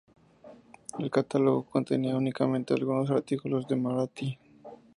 El catálogo contenía únicamente algunos artículos Marathi.